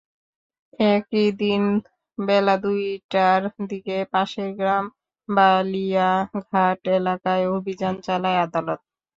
একই দিন বেলা দুইটার দিকে পাশের গ্রাম বালিয়াঘাট এলাকায় অভিযান চালান আদালত।